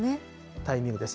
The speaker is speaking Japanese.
タイミングです。